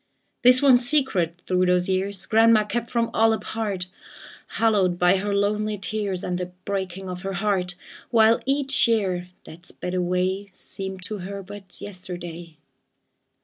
This one secret through those years Grandma kept from all apart, Hallowed by her lonely tears And the breaking of her heart; While each year that sped away Seemed to her but yesterday.